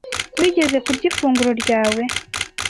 Wigeze kurya ifunguro ryawe?